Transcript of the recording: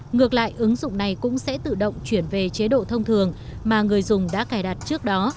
ngược lại ứng dụng này cũng sẽ tự động chuyển về chế độ thông thường mà người dùng đã cài đặt trước đó